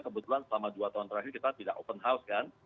kebetulan selama dua tahun terakhir kita tidak open house kan